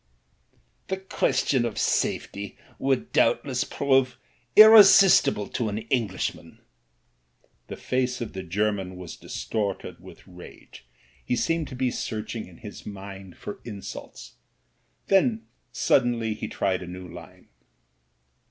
"The question of safety would doubtless prove irre sistible to an Englishman." The face of the German was distorted with rage, he seemed to be searching in I70 MEN, WOMEN AND GUNS hi3 mind for insults; then suddenly he tried a new line.